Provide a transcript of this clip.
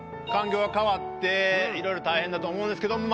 環境が変わっていろいろ大変だと思うんですけど。